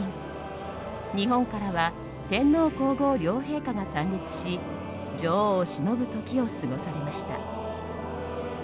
日本からは天皇・皇后両陛下が参列し女王をしのぶ時を過ごされました。